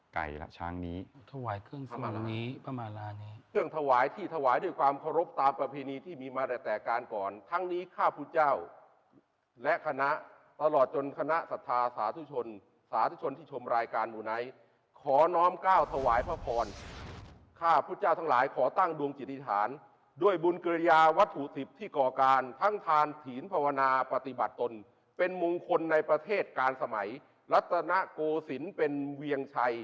ไก่ชางไม้พระมาลาห์หรือบางคนมักจะบนบานด้วยผ่านปุ่มชางไม้ไก่ชนพระมาลาห์หรือบางคนมักจะบนบานด้วยผ่านปุ่มชางไม้ไก่ชนพระมาลาห์หรือบางคนมักจะบนบานด้วยผ่านปุ่มชางไม้ไก่ชนพระมาลาห์หรือบางคนมักจะบนบานด้วยผ่านปุ่มชางไม้ไก่ชนพระมาลาห์หรือบางคนมักจะบนบานด้วยผ่